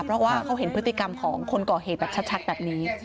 เพราะว่าเขาเห็นพฤติกรรมของคนก่อเหตุแบบชัดแบบนี้